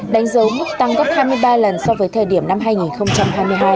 đánh dấu mức tăng gấp hai mươi ba lần so với thời điểm năm hai nghìn hai mươi hai